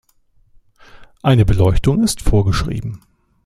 Eine Beleuchtung ist vorgeschrieben.